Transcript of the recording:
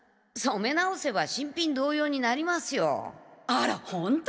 あらホント？